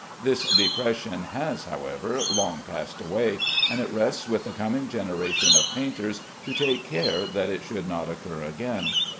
This depression has, however, long passed away, and it rests with the coming generation of painters to take care that it should not occur again.